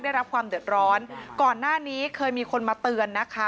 ได้รับความเดือดร้อนก่อนหน้านี้เคยมีคนมาเตือนนะคะ